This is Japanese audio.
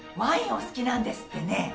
お好きなんですってね。